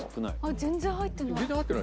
全然入ってない。